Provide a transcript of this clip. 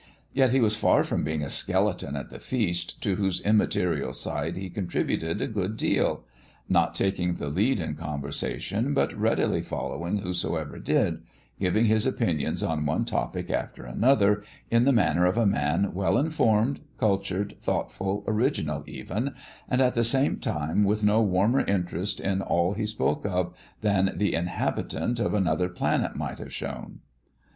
Yet he was far from being a skeleton at the feast, to whose immaterial side he contributed a good deal not taking the lead in conversation, but readily following whosoever did, giving his opinions on one topic after another in the manner of a man well informed, cultured, thoughtful, original even, and at the same time with no warmer interest in all he spoke of than the inhabitant of another planet might have shown.